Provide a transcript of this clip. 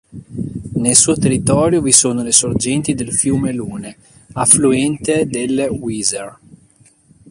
Nel suo territorio vi sono le sorgenti del fiume Lune, affluente del Weser.